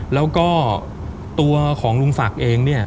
แล้วก็ตัวของลุงศักดิ์เองเนี่ย